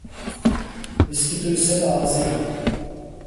Vyskytují se v Asii.